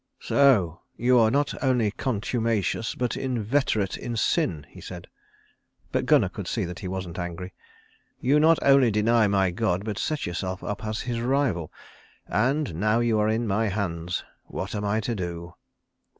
"So you are not only contumacious, but inveterate in sin," he said; but Gunnar could see that he wasn't angry. "You not only deny my God, but set yourself up as His rival. And now you are in my hands, what am I to do?"